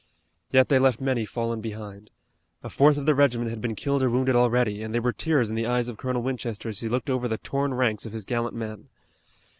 Yet they left many fallen behind. A fourth of the regiment had been killed or wounded already, and there were tears in the eyes of Colonel Winchester as he looked over the torn ranks of his gallant men.